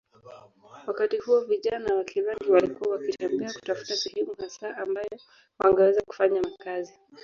wakati huo vijana wa Kirangi walikuwa wakitembea kutafuta sehemu hasa ambayo wangeweza kufanya makazi